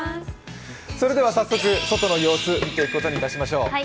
それでは早速、外の様子見ていくことにしましょう。